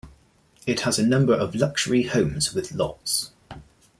It has a number of luxury homes with lots.